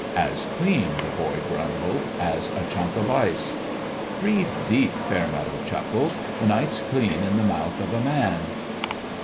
"As clean," the boy grumbled, "as a chunk of ice." "Breathe deep," Fairmeadow chuckled; "the night's clean in the mouth of a man."